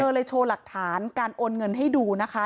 เลยโชว์หลักฐานการโอนเงินให้ดูนะคะ